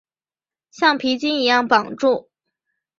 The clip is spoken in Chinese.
橡皮筋一样绑住